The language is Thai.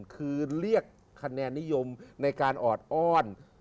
คือเรียกคะแนนนิยมในการออดอ้อน